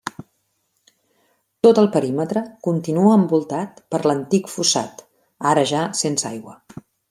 Tot el perímetre continua envoltat per l'antic fossat, ara ja sense aigua.